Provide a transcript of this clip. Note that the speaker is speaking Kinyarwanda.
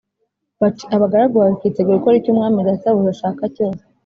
bati “Abagaragu bawe twiteguye gukora icyo umwami databuja ashaka cyose.”